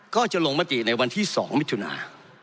ก็จะลงมติในวันที่๒มิถุนา